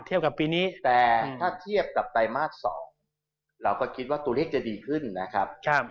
กับปีนี้แต่ถ้าเทียบกับไตรมาส๒เราก็คิดว่าตัวเลขจะดีขึ้นนะครับ